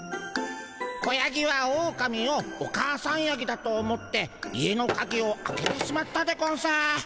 子ヤギはオオカミをお母さんヤギだと思って家のカギを開けてしまったでゴンス。